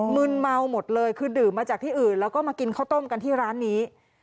มึนเมาหมดเลยคือดื่มมาจากที่อื่นแล้วก็มากินข้าวต้มกันที่ร้านนี้